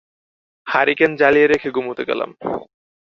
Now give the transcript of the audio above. Hurricane জ্বালিয়ে রেখে ঘুমুতে গেলাম।